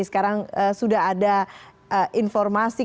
sekarang sudah ada informasi